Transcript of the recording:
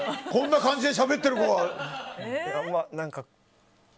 こんな感じでしゃべってるのに。